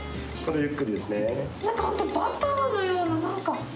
何か本当バターのような何か。